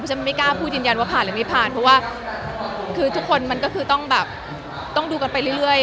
ฉันไม่กล้าพูดยืนยันว่าผ่านหรือไม่ผ่านเพราะว่าคือทุกคนมันก็คือต้องแบบต้องดูกันไปเรื่อย